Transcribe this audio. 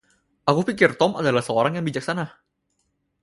Aku pikir Tom adalah orang yang bijaksana.